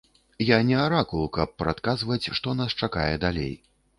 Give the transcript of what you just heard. Я не аракул, каб прадказваць, што нас чакае далей.